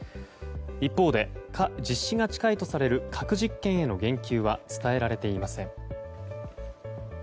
一方で実施が近いとされる核実験への言及は伝えられていません。